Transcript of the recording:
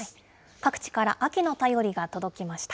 各地から秋の便りが届きました。